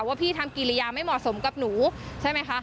ว่าพี่ทำกิริยาไม่เหมาะสมกับหนูใช่ไหมคะ